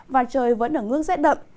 và trời vẫn ở ngưỡng rét đậm